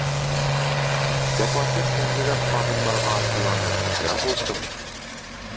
جاپاكەش تەھرىرات خادىملىرىغا سالامەتلىك يار بولسۇن!